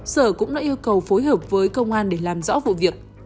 sở cũng đã yêu cầu phối hợp với công an để làm rõ vụ việc